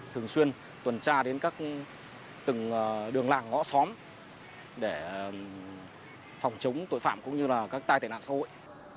thường xuyên tuần tra đến các từng đường làng ngõ xóm để phòng chống tội phạm cũng như là các tai tệ nạn xã hội